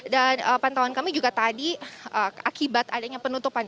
dan pantauan kami juga tadi akibat adanya penutupan